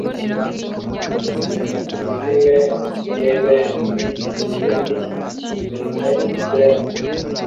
ubuzime bw’ebebikurikirene cyene